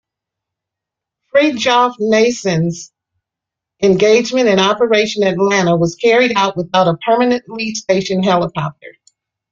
"Fridtjof Nansen"s engagement in Operation Atalanta was carried out without a permanently stationed helicopter.